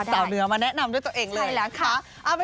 สาวเหนือมาแนะนำด้วยตัวเองเลยใช่แล้วค่ะ